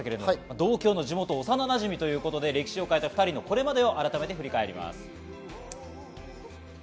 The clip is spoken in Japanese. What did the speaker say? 同郷の地元、幼なじみということで、歴史を変えた２人のこれまでを振り返ります。